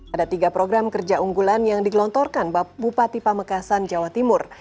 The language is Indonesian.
ada tiga program kerja unggulan yang digelontorkan bupati pamekasan jawa timur